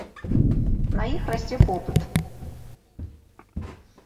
На іх расце попыт.